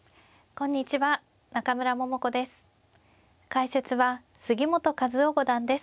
解説は杉本和陽五段です。